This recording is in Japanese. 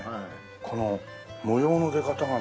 この模様の出方がね。